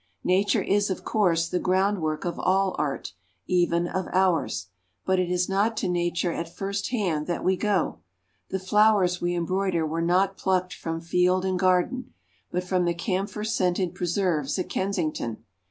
Nature is, of course, the groundwork of all art, even of ours; but it is not to Nature at first hand that we go. The flowers we embroider were not plucked from field and garden, but from the camphor scented preserves at Kensington.